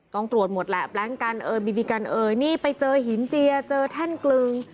ต้องตรวจหมดแหละแบล็งกันเอ่ยบีบีกันเอ่ยนี่ไปเจอหินเจียเจอแท่นกลึง